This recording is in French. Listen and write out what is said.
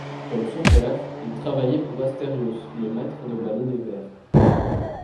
Comme son père, il travaillait pour Astérios, le maître de ballet des Verts.